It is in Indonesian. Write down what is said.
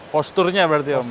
posturnya berarti om ya